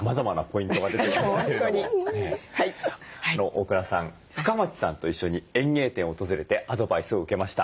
大倉さん深町さんと一緒に園芸店を訪れてアドバイスを受けました。